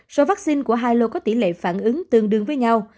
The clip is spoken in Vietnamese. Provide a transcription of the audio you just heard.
số vaccine của hai lô có tỷ lệ phản ứng tương đương với nhau